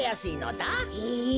へえ。